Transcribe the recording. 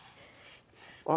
あっ